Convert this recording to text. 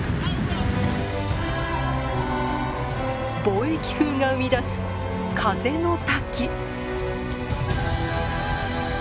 貿易風が生み出す風の滝。